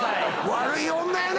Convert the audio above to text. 悪い女やな！